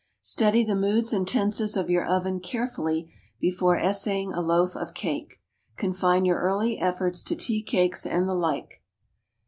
Study the moods and tenses of your oven carefully before essaying a loaf of cake. Confine your early efforts to tea cakes and the like.